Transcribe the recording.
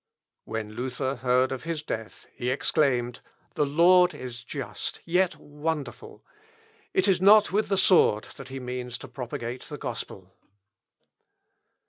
When Luther heard of his death he exclaimed, "The Lord is just, yet wonderful! It is not with the sword that he means to propagate the gospel!"